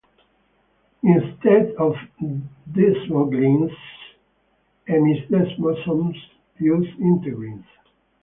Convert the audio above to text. Instead of desmogleins, hemidesmosomes use integrins.